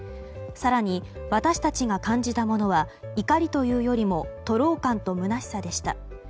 更に私たちが感じたものは怒りというよりも徒労感と虚しさでした。